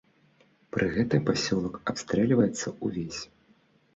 Пры гэтым пасёлак абстрэльваецца ўвесь.